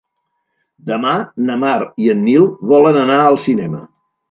Demà na Mar i en Nil volen anar al cinema.